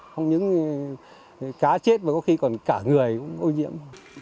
không những cá chết mà có khi còn cả người cũng ô nhiễm